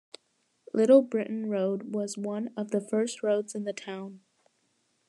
Little Britain Road was one of the first roads in the town.